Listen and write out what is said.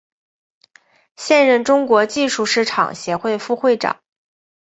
现任中国技术市场协会副会长。